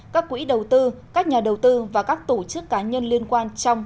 các quỹ đầu tư các nhà đầu tư và các tổ chức cá nhân liên quan trong